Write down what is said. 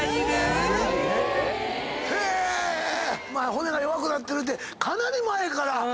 骨が弱くなってるってかなり前から。